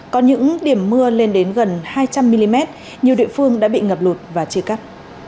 có những điểm mưa lên đến gần hai trăm linh mm nhiều địa phương đã bị ngập lụt và chia cắt